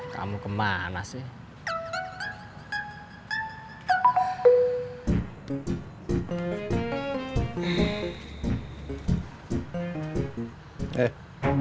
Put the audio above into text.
kamu kemana sih